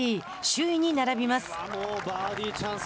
首位に並びます。